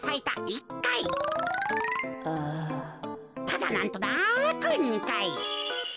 ただなんとなく２かい。